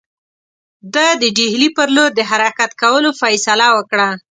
ده د ډهلي پر لور د حرکت کولو فیصله وکړه.